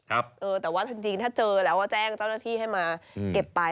แต่ว่าจริงถ้าเจอแล้วก็แจ้งเจ้าหน้าที่ให้มาเก็บไป